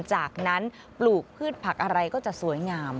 จากนั้นปลูกพืชผักอะไรก็จะสวยงาม